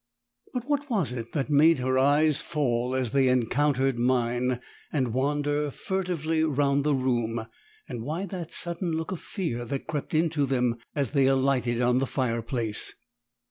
But what was it that made her eyes fall as they encountered mine, and wander furtively round the room; and why that sudden look of fear that crept into them as they alighted on the fireplace.